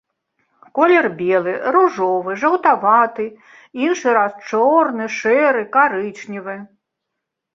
Колер белы, ружовы, жаўтаваты, іншы раз чорны, шэры, карычневы.